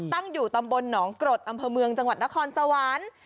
ตั้งอยู่ตำบลหนองกรดอำเภอเมืองจังหวัดนครสวรรค์